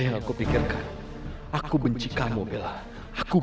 ya saya senang mendengarnya afif